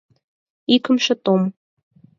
Икымше том